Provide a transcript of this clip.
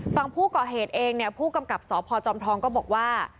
ฝั่งผู้ก่อเหตุเองเนี่ยผู้กำกับสพจอมทองก็บอกว่า